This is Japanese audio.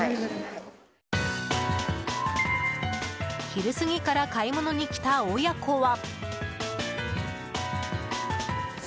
昼過ぎから買い物に来た親子は。